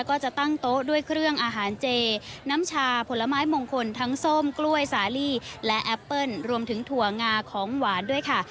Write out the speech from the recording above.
ก็จะตั้งโต๊ะด้วยเครื่องอาหารเจน้ำชาผลไม้มงคลทั้งส้มกล้วยสาลีและแอปเปิ้ลรวมถึงถั่วงาของหวานด้วยค่ะ